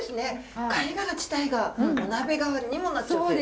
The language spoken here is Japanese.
貝殻自体がお鍋代わりにもなっちゃうという。